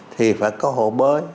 thì phải có hộ bơi